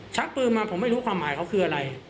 ชักปืนมาผมไม่รู้ความหมายเขาคืออะไร